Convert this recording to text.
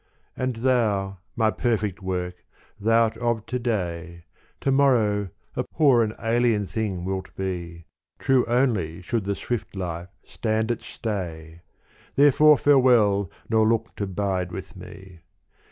And thou, my perfect work, thou 'rt of to day : To morrow a poor and alien thing wilt be, True only should the swift life stand at stay : Therefore farewell nor look to bide with me.